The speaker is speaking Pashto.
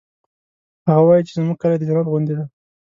هغه وایي چې زموږ کلی د جنت غوندی ده